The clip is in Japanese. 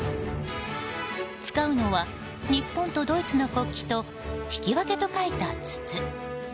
使うのは、日本とドイツの国旗と引き分けと書いた筒。